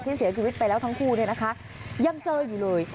เสียชีวิตไปแล้วทั้งคู่เนี่ยนะคะยังเจออยู่เลย